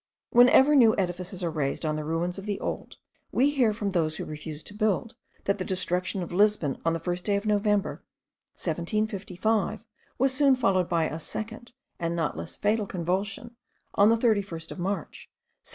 Whenever new edifices are raised on the ruins of the old, we hear from those who refuse to build, that the destruction of Lisbon on the first day of November, 1755, was soon followed by a second, and not less fatal convulsion, on the 31st of March, 1761.